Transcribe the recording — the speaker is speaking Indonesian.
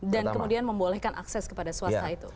dan kemudian membolehkan akses kepada swasta itu